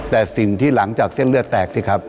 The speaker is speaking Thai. แต่สิ่งที่หลังจากเส้นเลือดแตกสิครับ